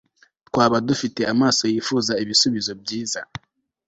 twaba dufite amaso yifuza ibisubizo byiza